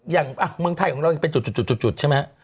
อย่างเมืองไทยของเรายังเป็นจุดใช่ไหม